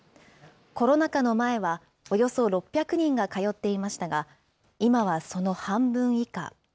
コロナ禍の前は、およそ６００人が通っていましたが、今はその半分以下。